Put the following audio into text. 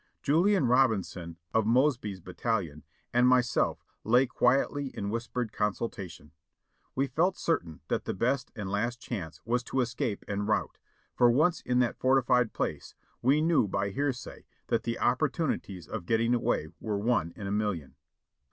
Julian Robinson, of Mosby's battalion, and myself lay quietly in whispered consultation. We felt certain that the best and last chance was to escape en route, for once in that fortified place, we knew by hearsay that the opportunities of getting away were one in a million.